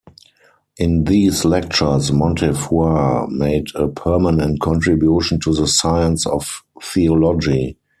In these lectures, Montefiore made a permanent contribution to the science of theology.